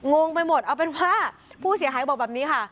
งงไปหมดเอาเป็นว่าผู้เสียหายบอกแบบนี้ค่ะ